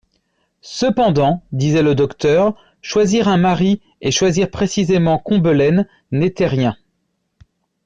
Cependant, disait le docteur, choisir un mari et choisir précisément Combelaine n'était rien.